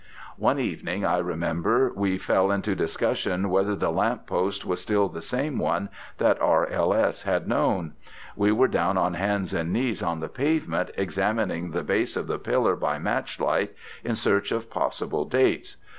One evening I remember we fell into discussion whether the lamp post was still the same one that R.L.S. had known. We were down on hands and knees on the pavement, examining the base of the pillar by match light in search of possible dates.